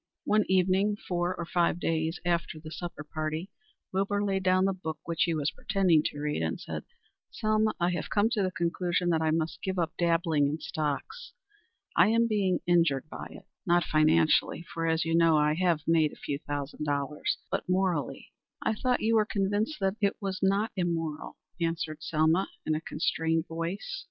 One evening, four or five days after this supper party, Wilbur laid down the book which he was pretending to read, and said, "Selma, I have come to the conclusion that I must give up dabbling in stocks. I am being injured by it not financially, for, as you know, I have made a few thousand dollars but morally." "I thought you were convinced that it was not immoral," answered Selma, in a constrained voice.